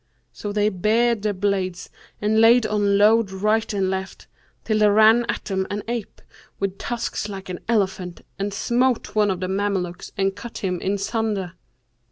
So they bared their blades and laid on load right and left, till there ran at them an ape, with tusks like an elephant, and smote one of the Mamelukes and cut him in sunder.